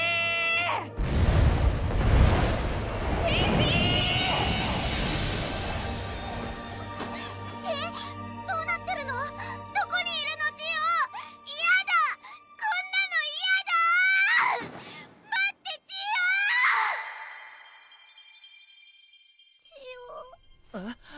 えっ！